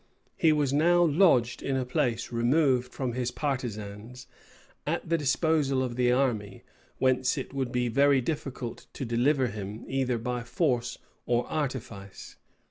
He was now lodged in a place removed from his partisans, at the disposal of the army, whence it would be very difficult to deliver him, either by force or artifice.